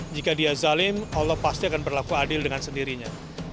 jika dia zalim allah pasti akan berlaku adil dengan sendirinya